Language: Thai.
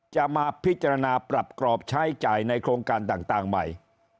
จะมาพิจารณาปรับกรอบใช้จ่ายในโครงการต่างใหม่